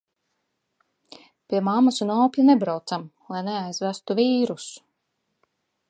Pie mammas un opja nebraucam, lai neaizvestu vīrusu.